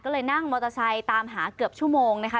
ก็เลยนั่งมอเตอร์ไซค์ตามหาเกือบชั่วโมงนะคะ